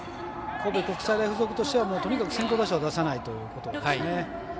神戸国際大付属としてはとにかく先頭打者を出さないということですね。